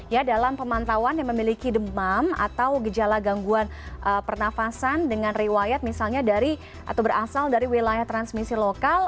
ya dalam pemantauan yang memiliki demam atau gejala gangguan pernafasan dengan riwayat misalnya dari atau berasal dari wilayah transmisi lokal